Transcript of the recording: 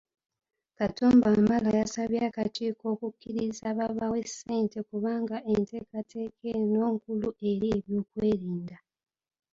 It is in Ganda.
Katumba Wamala yasabye akakiiko okukkiriza babawe ssente kubanga enteekateeka eno nkulu eri eby'okwerinda